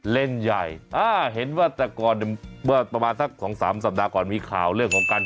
เล่นใหญ่อ่าเห็นว่าแต่ก่อนเมื่อประมาณสักสองสามสัปดาห์ก่อนมีข่าวเรื่องของการ